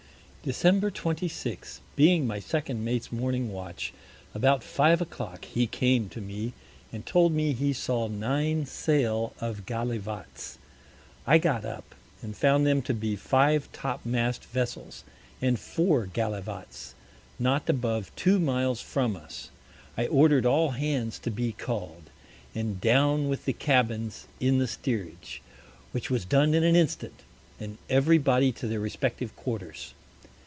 December 26, being my second Mate's Morning Watch, about Five o' Clock he came to me, and told me he saw Nine Sail of Gallivats. I got up, and found them to be Five Top mast Vessels, and Four Gallivats, not above two Miles from us. I order'd all Hands to be call'd, and down with the Cabins in the Steerage, which was done in an Instant, and every body to their respective Quarters.